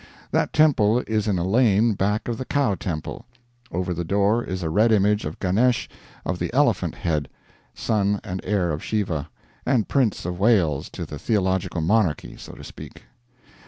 That temple is in a lane back of the Cow Temple. Over the door is a red image of Ganesh of the elephant head, son and heir of Shiva, and Prince of Wales to the Theological Monarchy, so to speak.